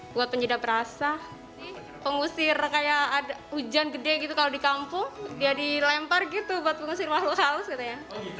buat penyedap rasa pengusir kayak ada hujan gede gitu kalau di kampung dia dilempar gitu buat pengusir halus halus gitu ya